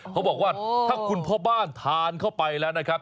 เขาบอกว่าถ้าคุณพ่อบ้านทานเข้าไปแล้วนะครับ